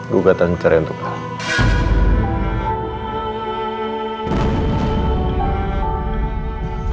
gugatan ceria untuk kamu